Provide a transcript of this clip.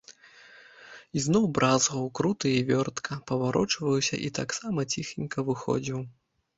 Ізноў бразгаў, крута і вёртка паварочваўся і таксама ціхенька выходзіў.